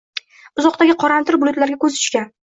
Uzoqdagi qoramtir bulutlarga ko‘zi tushgan